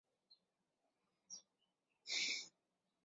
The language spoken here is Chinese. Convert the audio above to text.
沙瑟讷伊人口变化图示